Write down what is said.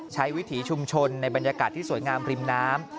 วิถีชุมชนในบรรยากาศที่สวยงามริมน้ำ